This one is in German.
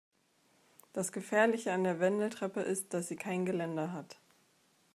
Das Gefährliche an der Wendeltreppe ist, dass sie kein Geländer hat.